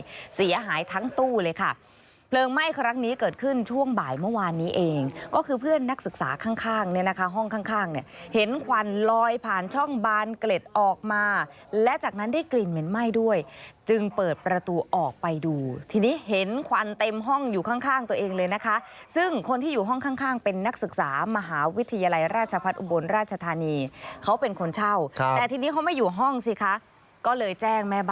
เผลิงไหม้เสียหายทั้งตู้เลยค่ะเผลิงไหม้ครั้งนี้เกิดขึ้นช่วงบ่ายเมื่อวานนี้เองก็คือเพื่อนนักศึกษาข้างเนี่ยนะคะห้องข้างเนี่ยเห็นควันลอยผ่านช่องบานเกร็ดออกมาและจากนั้นได้กลิ่นเหม็นไหม้ด้วยจึงเปิดประตูออกไปดูทีนี้เห็นควันเต็มห้องอยู่ข้างตัวเองเลยนะคะซึ่งคนที่อยู่ห้องข้างเป็นนักศึกษามห